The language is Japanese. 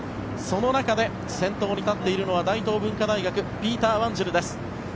その中で先頭に立っているのは大東文化大学ピーター・ワンジルです。